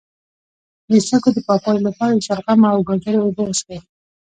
د سږو د پاکوالي لپاره د شلغم او ګازرې اوبه وڅښئ